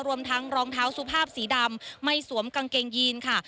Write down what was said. รวมทั้งรองเท้าสุภาพสีดำไม่สวมกางเกงยีนค่ะ